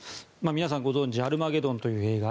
皆さんご存じ「アルマゲドン」という映画。